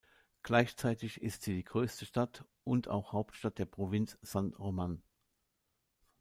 Gleichzeitig ist sie die größte Stadt, und auch Hauptstadt der Provinz San Román.